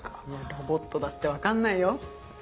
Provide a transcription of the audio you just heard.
ロボットだってわかんないよ。